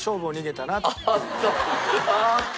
あっと！